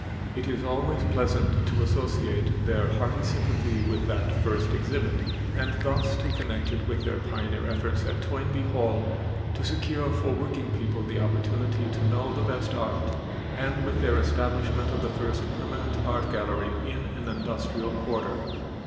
It is always pleasant to associate their hearty sympathy with that first exhibit, and thus to connect it with their pioneer efforts at Toynbee Hall to secure for working people the opportunity to know the best art, and with their establishment of the first permanent art gallery in an industrial quarter.